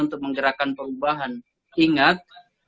untuk menggerakkan perubahan ingat